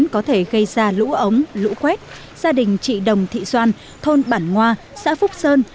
có thể gây ra lũ ống lũ quét gia đình chị đồng thị doan thôn bản ngoa xã phúc sơn